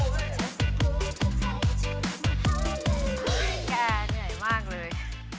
แม่ไอ้แกเหนื่อยมากเลย